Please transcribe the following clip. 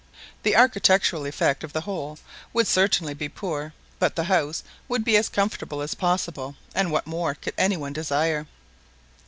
The architectural effect of the whole would certainly be poor; but the house would be as comfortable as possible, and what more could any one desire?